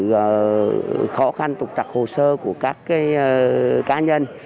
có khó khăn tục trặc hồ sơ của các cá nhân